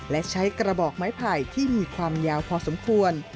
และใช้กระบอกไม้ไผ่ที่มีความยาวพอสมควร